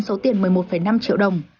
số tiền một mươi một năm triệu đồng